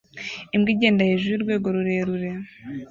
Imbwa igenda hejuru y'urwego rurerure